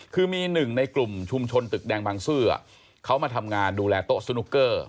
คือมีหนึ่งในกลุ่มชุมชนตึกแดงบางซื่อเขามาทำงานดูแลโต๊ะสนุกเกอร์